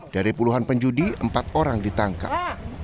dari puluhan penjudi empat orang ditangkap